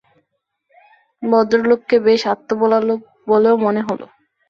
ভদ্রলোককে বেশ আত্মভোলা লোক বলেও মনে হল।